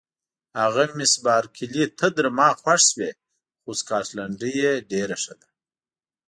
هغه مس بارکلي ته تر ما خوښ شوې، خو سکاټلنډۍ یې ډېره ښه ده.